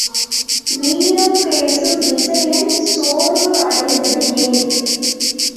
வீரம் பேசும் விசயன் சோர்வு அடைந்தது ஏன்?